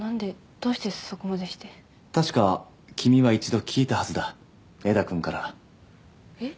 どうしてそこまでして確か君は一度聞いたはずだ江田君からえっ？